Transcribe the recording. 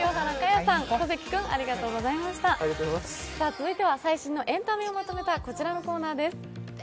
続いては最新のエンタメをまとめたこちらのコーナーです。